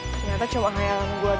ternyata cuma khayalan gue doang